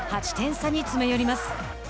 ８点差に詰め寄ります。